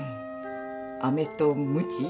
アメとムチ。